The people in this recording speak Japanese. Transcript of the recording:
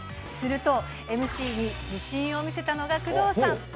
すると、ＭＣに自信を見せたのが工藤さん。